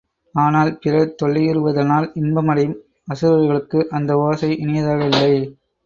ஆனால் பிறர் தொல்லையுறுவதனால் இன்பம் அடையும் அசுரர்களுக்கு அந்த ஓசை இனியதாக இல்லை.